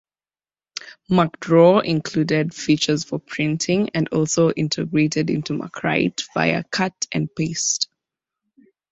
MacDraw included features for printing and also integrated into MacWrite via cut-and-paste.